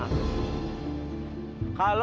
sampai ke mobil bro